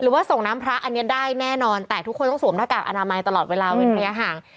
ว่าส่งน้ำพระอันนี้ได้แน่นอนแต่ทุกคนต้องสวมหน้ากากอนามัยตลอดเวลาเว้นระยะห่าง